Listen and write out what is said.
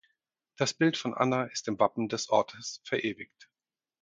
Das Bild von Anna ist im Wappen des Ortes verewigt.